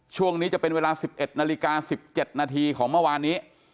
ช่วงนี้จะเป็นเวลา๑๑นาฬิกา๑๗นาทีของเมื่อวานนี้